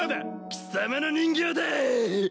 貴様の人形だっ！